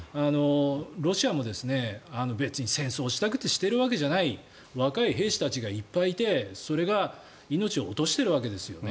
ロシアも別に戦争したくてしてるわけじゃない若い兵士がいっぱいいてそれが命を落としているわけですよね。